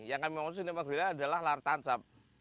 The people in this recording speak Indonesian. yang kami maksud cinema gerilya adalah lar tancap